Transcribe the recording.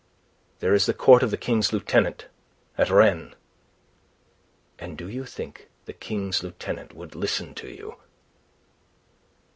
"There is the court of the King's Lieutenant at Rennes." "And do you think the King's Lieutenant would listen to you?"